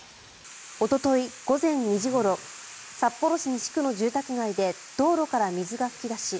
おととい午前２時ごろ札幌市西区の住宅街で道路から水が噴き出し